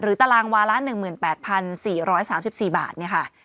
ตารางวาละ๑๘๔๓๔บาทเนี่ยค่ะ